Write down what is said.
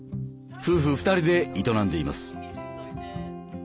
夫婦２人で営んでいます。